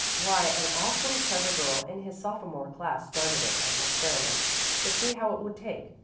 "Why, an awfully clever girl in his sophomore class started it as an experiment, to see how it would take.